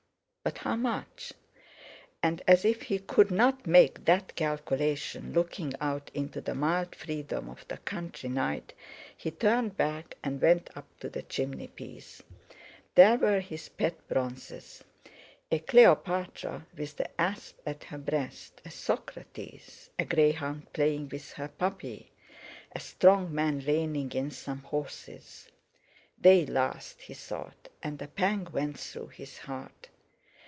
But how much? And, as if he could not make that calculation looking out into the mild freedom of the country night, he turned back and went up to the chimney piece. There were his pet bronzes—a Cleopatra with the asp at her breast; a Socrates; a greyhound playing with her puppy; a strong man reining in some horses. "They last!" he thought, and a pang went through his heart.